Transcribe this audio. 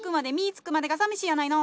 つくまでがさみしいやないの！